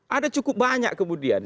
ada cukup banyak kemudian